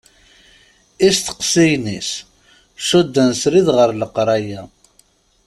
Isteqsiyen-is cudden srid ɣer leqraya.